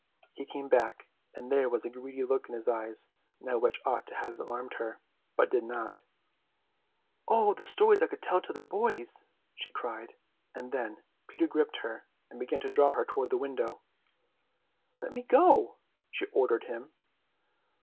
He came back, and there was a greedy look in his eyes now which ought to have alarmed her, but did not. "Oh, the stories I could tell to the boys!" she cried, and then Peter gripped her and began to draw her toward the window. "Let me go!" she ordered him.